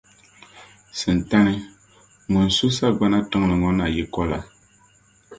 Sintani, ŋun su sagbana tiŋli ŋɔ na yiko la.